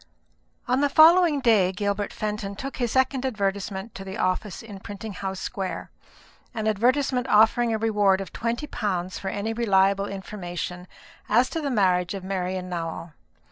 On the following day Gilbert Fenton took his second advertisement to the office in Printing House Square; an advertisement offering a reward of twenty pounds for any reliable information as to the marriage of Marian Nowell.